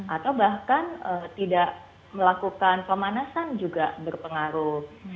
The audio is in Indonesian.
atau bahkan tidak melakukan pemanasan juga berpengaruh